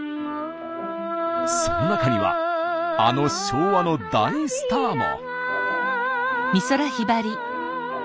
その中にはあの昭和の大スターも。